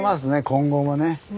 今後もね。